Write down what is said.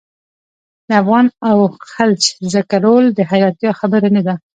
د افغان او خلج ذکرول د حیرانتیا خبره نه ده.